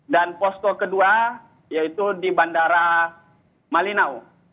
dan posko kedua yaitu di bandara malinau